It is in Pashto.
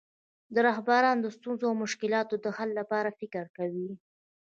رهبران د ستونزو او مشکلاتو د حل لپاره فکر کوي.